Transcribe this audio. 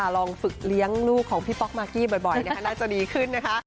ลองฝึกเลี้ยงลูกของพี่ป๊อกมากกี้บ่อยน่าจะดีขึ้นนะคะ